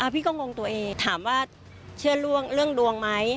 พี่ก็งงตัวเองถามว่าเชื่อเรื่องดวงไหม